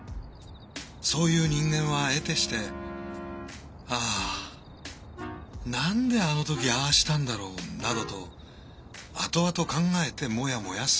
そういう人間はえてして「あぁ何であの時ああしたんだろう！」などと後々考えてモヤモヤする。